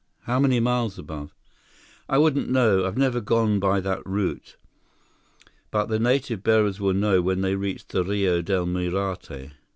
"How many miles above?" "I wouldn't know. I have never gone by that route. But the native bearers will know when they reach the Rio Del Muerte."